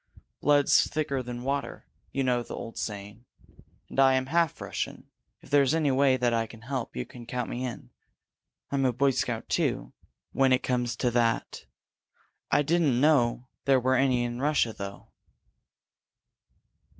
"Blood's thicker than water you know the old saying. And I am half a Russian. If there's any way that I can help, you can count me in. I'm a Boy Scout, too, when it comes to that. I didn't know there were any in Russia, though."